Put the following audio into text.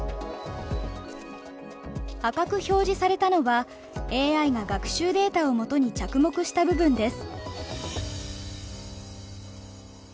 赤く表示されたのはＡＩが学習データをもとに着目した部分です。